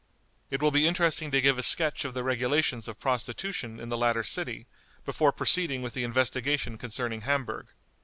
It will be interesting to give a sketch of the regulations of prostitution in the latter city before proceeding with the investigation concerning Hamburg.